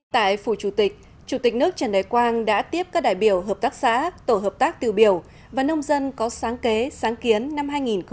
tại phủ chủ tịch chủ tịch nước trần đại quang đã tiếp các đại biểu hợp tác xã tổ hợp tác tiêu biểu và nông dân có sáng kế sáng kiến năm hai nghìn một mươi chín